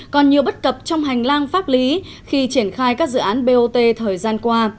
còn nhiều bất cập trong hành lang pháp lý khi triển khai các dự án bot thời gian qua